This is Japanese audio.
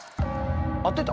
合ってた？